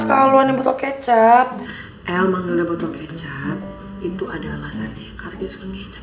kalo ini botol kecap el mengenalnya botol kecap itu ada alasan nya karena dia suka ngecap